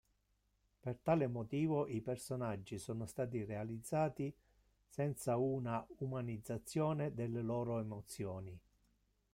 Per tale motivo i personaggi sono stati realizzati senza una "umanizzazione" delle loro emozioni.